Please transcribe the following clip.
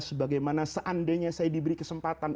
sebagaimana seandainya saya diberi kesempatan